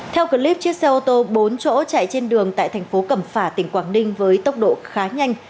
theo clip chiếc xe ô tô bốn chỗ chạy trên đường tại thành phố cẩm phả tỉnh quảng ninh với tốc độ khá nhanh